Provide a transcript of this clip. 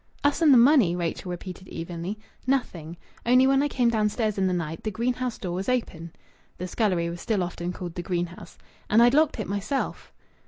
"Us and the money!" Rachel repeated evenly. "Nothing, only when I came downstairs in the night the greenhouse door was open." (The scullery was still often called the greenhouse.) "And I'd locked it myself!"